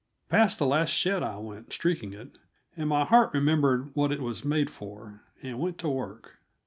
Past the last shed I went streaking it, and my heart remembered what it was made for, and went to work.